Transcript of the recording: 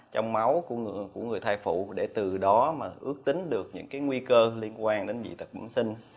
trong máu của người thai phụ để từ đó mà ước tính được những nguy cơ liên quan đến dị tật bẩm sinh